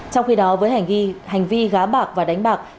trong khi đó với hành vi gá bạc và đánh bạc